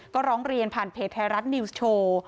ก็ร้องเรียนผ่านเพจไทยรัฐนิวส์โชว์